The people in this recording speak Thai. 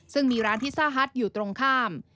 ซึ่งมีร้านพิซซ่าฮัทอยู่ตรงข้าม